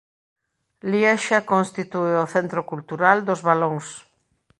Liexa constitúe o centro cultural dos valóns.